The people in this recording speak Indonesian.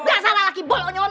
gak salah lagi bolongan